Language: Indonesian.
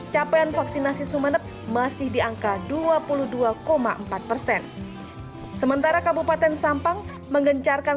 capaian vaksinasi sumenep masih diangka dua puluh dua empat persen sementara kabupaten sampang menggencarkan